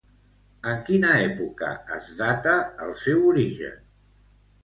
En quina època es data el seu origen?